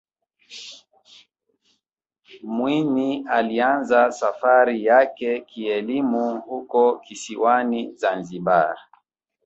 mwinyi alianza safari yake kielimu huko kisiwani zanzibar